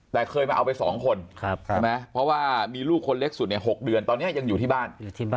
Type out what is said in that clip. แต่เคยมาเอาไป๒คนใช่ไหมเพราะว่ามีลูกคนเล็กสุด๖เดือนตอนนี้ยังอยู่ที่บ้าน